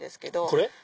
これ。